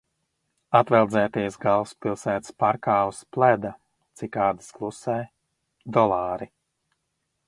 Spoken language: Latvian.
Atveldzēties galvaspilsētas parkā uz pleda. Cikādes klusē. Dolāri.